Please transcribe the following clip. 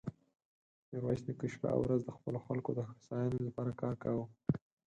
ميرويس نيکه شپه او ورځ د خپلو خلکو د هوساينې له پاره کار کاوه.